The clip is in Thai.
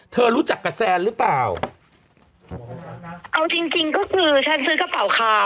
รู้จักกับแซนหรือเปล่าเอาจริงจริงก็คือฉันซื้อกระเป๋าคา